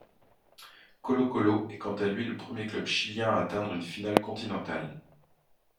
Colo-Colo est quant à lui le premier club chilien à atteindre une finale continentale.